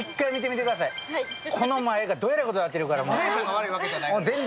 この前、えらいことになってるから。